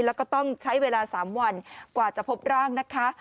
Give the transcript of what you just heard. แล้วก็ต้องใช้เวลา๓วันกว่าจะพบร่างนะคะ